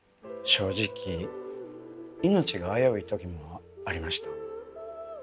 正直命が危ういときもありました。